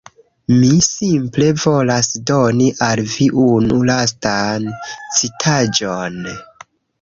Mi simple volas doni al vi unu lastan citaĵon